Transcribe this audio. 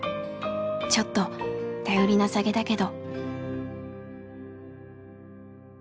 ちょっと頼りなさげだけど。